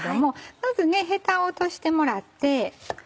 まずヘタを落としてもらって。